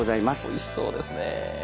おいしそうですね。